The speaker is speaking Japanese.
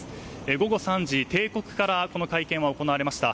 午後３時、定刻からこの会見が行われました。